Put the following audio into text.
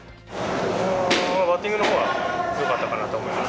バッティングのほうはよかったかなと思います。